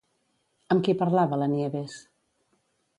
Amb qui parlava la Nieves?